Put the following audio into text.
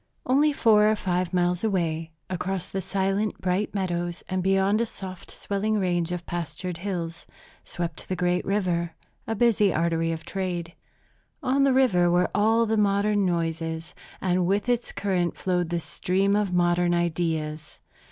Only four or five miles away, across the silent, bright meadows and beyond a softly swelling range of pastured hills, swept the great river, a busy artery of trade. On the river were all the modern noises, and with its current flowed the stream of modern ideas.